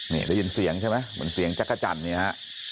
นี่ได้ยินเสียงใช่ไหมเหมือนเสียงจักรจันทร์เนี่ยฮะ